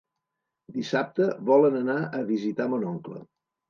Dissabte volen anar a visitar mon oncle.